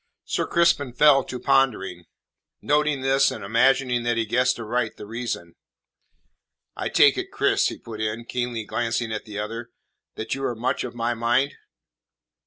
Sir Crispin fell to pondering. Noting this, and imagining that he guessed aright the reason: "I take it, Cris," he put in, keenly glancing at the other, "that you are much of my mind?"